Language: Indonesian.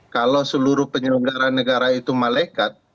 kalau seluruh penyelenggaraan negara itu malekat